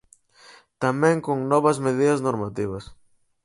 Tamén con novas medidas normativas.